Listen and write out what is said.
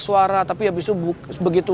suara tapi habis itu begitu